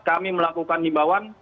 kami melakukan himbawan